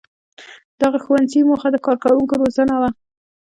• د هغه ښوونځي موخه د کارکوونکو روزنه وه.